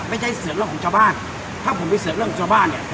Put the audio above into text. ไม่ใช่เสือเรื่องของชาวบ้านถ้าผมไปเสริมเรื่องของชาวบ้านเนี่ย